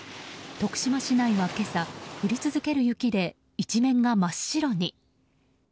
徳島市内は今朝降り続ける雪で一面が真っ白に。